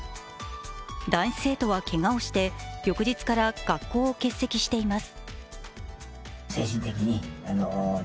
男子生徒はけがをして翌日から学校を欠席しています。